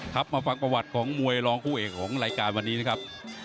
ครับมาฟังประวัติของมวยรองคู่เอกของรายการวันนี้นะครับ